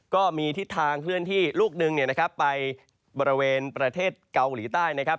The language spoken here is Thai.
ก็มีทิศทางเคลื่อนที่ลูกหนึ่งไปบริเวณประเทศเกาหลีใต้นะครับ